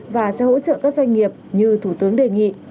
và sẽ hỗ trợ các doanh nghiệp như thủ tướng đề nghị